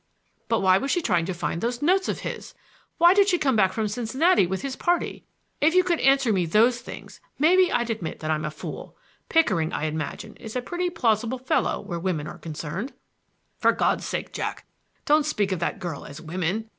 "But why was she trying to find those notes of his? Why did she come back from Cincinnati with his party? If you could answer me those things, maybe I'd admit that I'm a fool. Pickering, I imagine, is a pretty plausible fellow where women are concerned." "For God's sake, Jack, don't speak of that girl as women!